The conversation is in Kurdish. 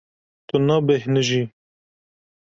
Tu nabêhnijî.